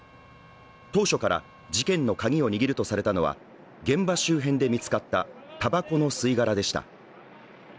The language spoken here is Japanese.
当初から事件のカギを握るとされたのは、現場周辺で見つかったたばこの吸い殻でした。